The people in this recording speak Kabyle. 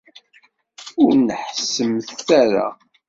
Ur neḥḥsemt ara!